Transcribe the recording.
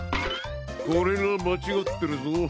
これがまちがってるぞ。